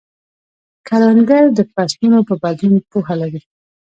کروندګر د فصلونو په بدلون پوهه لري